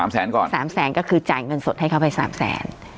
แสนก่อน๓แสนก็คือจ่ายเงินสดให้เขาไป๓แสน